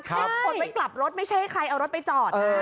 ถ้าคนไม่กลับรถไม่ใช่ให้ใครเอารถไปจอดนะ